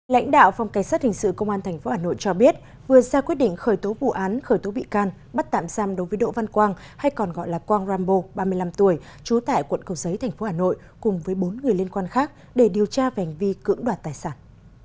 lãnh đạo phòng cảnh sát hình sự công an tp hà nội cho biết vừa ra quyết định khởi tố vụ án khởi tố bị can bắt tạm giam đối với đỗ văn quang hay còn gọi là quang rambo ba mươi năm tuổi trú tại quận cầu giấy tp hà nội cùng với bốn người liên quan khác để điều tra và hành vi cưỡng đoạt tài sản